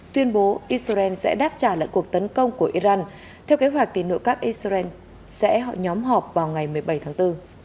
tuyên bố israel sẽ đáp trả lại cuộc tấn công của iran theo kế hoạch tìm nội các israel sẽ nhóm họp vào ngày một mươi bảy tháng bốn